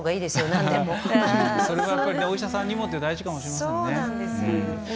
お医者さんにもって大事かもしれませんよね。